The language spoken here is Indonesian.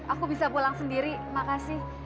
aku bisa pulang sendiri makasih